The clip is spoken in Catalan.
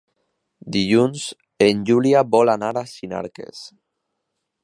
Dilluns en Julià vol anar a Sinarques.